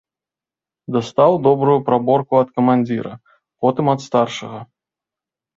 Дастаў добрую праборку ад камандзіра, потым ад старшага.